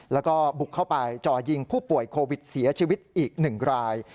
แล้วก็บุกเข้าไปจ่อยิงผู้ป่วยโควิดเสียชีวิตอีก๑ราย